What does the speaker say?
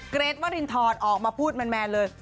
เกรทวรินทรออกมาพูดแมนเลย